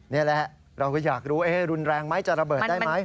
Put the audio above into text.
นี่แหละเราก็อยากรู้รุนแรงไหมจะระเบิดได้ไหม